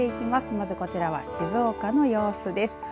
まず、こちらは静岡の様子です。